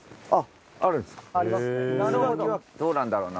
どうなんだろうな？